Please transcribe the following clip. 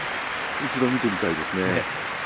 一度見てみたいですね。